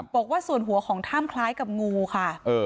บอกว่าส่วนหัวของถ้ำคล้ายกับงูค่ะ